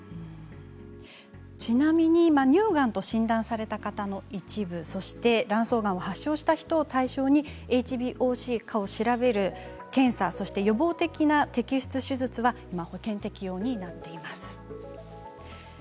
ちなみに乳がんと診断された方の一部そして卵巣がんを発症した人を対象にＨＢＯＣを調べる検査、そして予防的摘出手術は今、保険適用になっています。